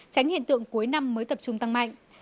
tránh hiện tượng cuối năm mới tập trung tăng mạnh